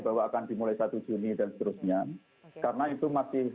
bahwa akan dimulai satu juni dan seterusnya